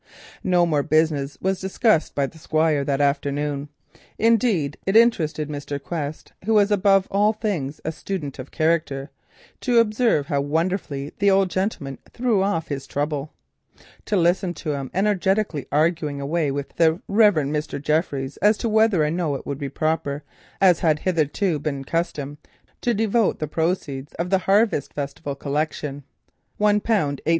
No more business was discussed by the Squire that afternoon. Indeed it interested Mr. Quest, who was above all things a student of character, to observe how wonderfully the old gentleman threw off his trouble. To listen to him energetically arguing with the Rev. Mr. Jeffries as to whether or no it would be proper, as had hitherto been the custom, to devote the proceeds of the harvest festival collection (1 pound 18s.